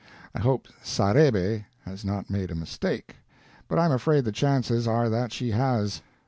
I hope Sarebbe has not made a mistake, but I am afraid the chances are that she has.